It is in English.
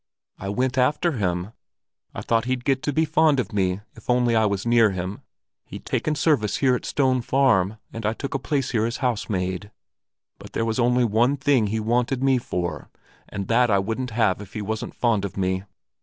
"I went after him. I thought he'd get to be fond of me, if only I was near him. He'd taken service here at Stone Farm, and I took a place here as housemaid; but there was only one thing he wanted me for, and that I wouldn't have if he wasn't fond of me.